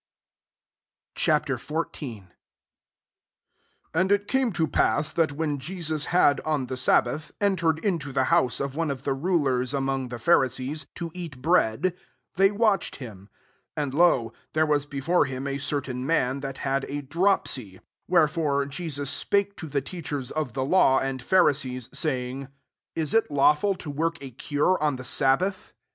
'» Ch. XIV, 1 And it came to pass, that when JrMua had, on the sabbath, entered into the house of one of the rulers among the Pharisees, to eat bread, they watched him. 2 And, lo ! there was before him a certain man, that had a drop ^ sy. 3 Wherefore, Jesus spake to the teachers of the law and Pharisees, saying, " Is it lawfiil « left (or cast off) to you." 2S6 LUKE XIV. to work a cure on the sabbath?"